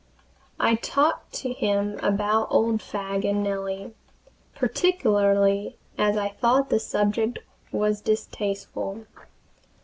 I talked to him about old Fagg and Nellie, particularly as I thought the subject was distasteful.